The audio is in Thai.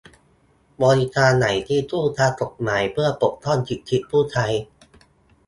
บริการไหนที่สู้ทางกฎหมายเพื่อปกป้องสิทธิผู้ใช้